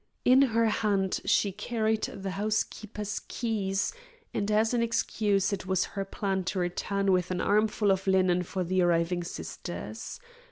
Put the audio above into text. In her hand she carried the housekeeper's keys, and as an excuse it was her plan to return with an armful of linen for the arriving Sisters.